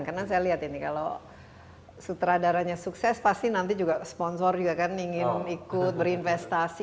karena saya lihat ini kalau sutradaranya sukses pasti nanti juga sponsor juga kan ingin ikut berinvestasi